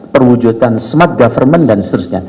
perwujudan smart government dan seterusnya